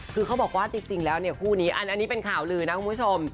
คือเขาบอกว่าจริงแล้วเนี่ยคู่นี้อันนี้เป็นข่าวลือนะคุณผู้ชม